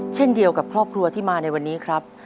เช่นเดียวกับครอบครัวที่มาในวันนี้ครับ